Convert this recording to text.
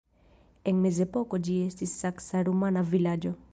En mezepoko ĝi estis saksa-rumana vilaĝo.